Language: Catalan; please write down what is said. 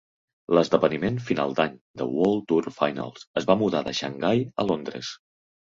L'esdeveniment final d'any, The World Tour finals, es va mudar de Xangai a Londres.